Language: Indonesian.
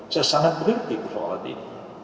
saya sangat mengerti persoalan ini